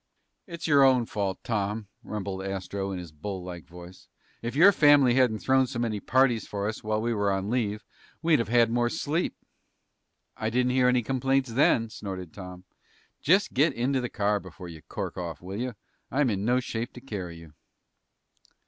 "It's your own fault, Tom," rumbled Astro in his bull like voice. "If your family hadn't thrown so many parties for us while we were on leave, we'd have had more sleep." "I didn't hear any complaints then," snorted Tom. "Just get into the car before you cork off, will you? I'm in no shape to carry you."